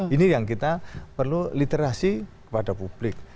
ini yang kita perlu literasi kepada publik